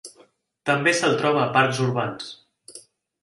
També se'l troba a parcs urbans.